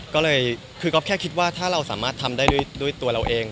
ก็เลยคือก๊อฟแค่คิดว่าถ้าเราสามารถทำได้ด้วยตัวเราเอง